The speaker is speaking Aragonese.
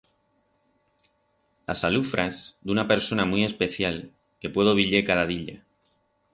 Las alufras d'una persona muit especial que puedo viyer cada diya.